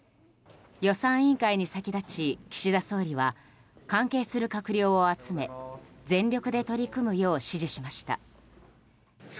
予算委員会に先立ち岸田総理は関係する閣僚を集め、全力で取り組むよう指示しました。